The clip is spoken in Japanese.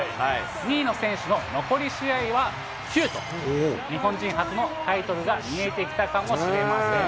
２位の選手の残り試合は９と、日本人初のタイトルが見えてきたかもしれません。